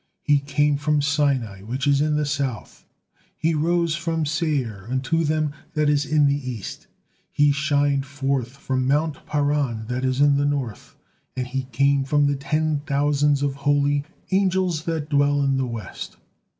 He 'came from Sinai,' which is in the South, 'and rose from Seir unto them,' that is in the East; 'He shined forth from mount Paran,' that is in the North, 'and he came from the ten thousands of holy' angels that dwell in the West.